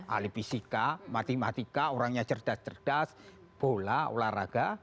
alipisika matematika orangnya cerdas cerdas bola olahraga